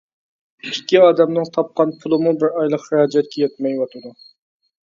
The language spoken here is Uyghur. ئىككى ئادەمنىڭ تاپقان بۇلىمۇ بىر ئايلىق خىراجەتكە يەتمەيۋاتىدۇ.